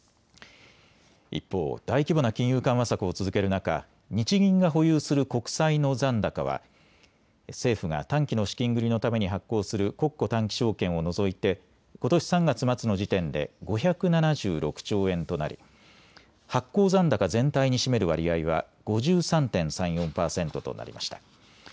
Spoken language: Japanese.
一方、大規模な金融緩和策を続ける中、日銀が保有する国債の残高は政府が短期の資金繰りのために発行する国庫短期証券を除いてことし３月末の時点で５７６兆円となり発行残高全体に占める割合は５３．３４％となりました。